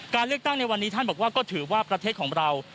การเลือกตั้งในวันนี้ท่านบอกว่าก็ถือว่าประเทศของเรา